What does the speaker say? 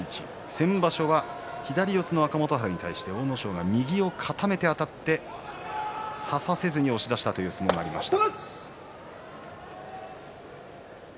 先場所は左四つの若元春に対して阿武咲が右を固めてあたって差させずに押し出したという相撲がありました。